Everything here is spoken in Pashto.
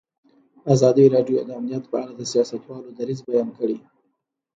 ازادي راډیو د امنیت په اړه د سیاستوالو دریځ بیان کړی.